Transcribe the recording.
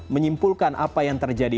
menyimpulkan apa yang terjadi